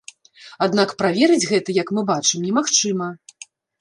Аднак праверыць гэта, як мы бачым, немагчыма.